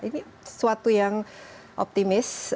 ini sesuatu yang optimis